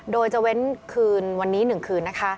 โดยจะเว้นคืนวันนี้หนึ่งคืน